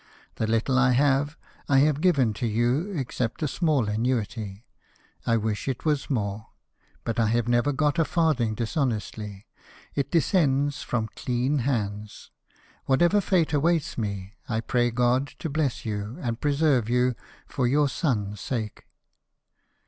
The little I have, I have given to you, except a small annuity ; I wish it was more ; but I have never got a farthing dis honestly — it descends from clean hands. Whatever fate awaits me, I pray God to bless you, and preserve you, for your son's sake."